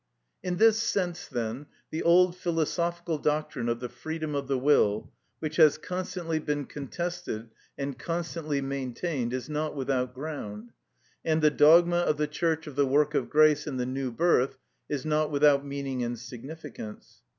In this sense, then, the old philosophical doctrine of the freedom of the will, which has constantly been contested and constantly maintained, is not without ground, and the dogma of the Church of the work of grace and the new birth is not without meaning and significance.